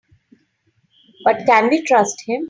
But can we trust him?